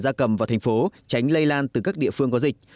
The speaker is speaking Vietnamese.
gia cầm vào thành phố tránh lây lan từ các địa phương có dịch